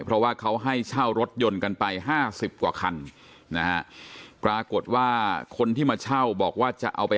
เพราะว่าเขาให้เช่ารถยนต์กันไปห้าสิบกว่าคันนะฮะปรากฏว่าคนที่มาเช่าบอกว่าจะเอาไป